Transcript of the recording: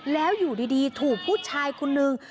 แล้วอยู่ดีถูกผู้ชายคนนึง